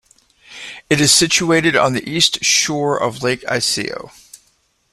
It is situated on the east shore of Lake Iseo.